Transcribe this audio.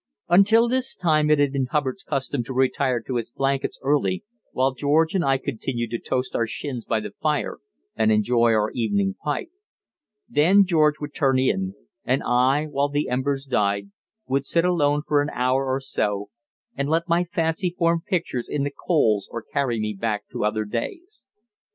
Until this time it had been Hubbard's custom to retire to his blankets early, while George and I continued to toast our shins by the fire and enjoy our evening pipe. Then George would turn in, and I, while the embers died, would sit alone for an hour or so and let my fancy form pictures in the coals or carry me back to other days.